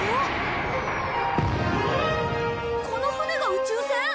この船が宇宙船？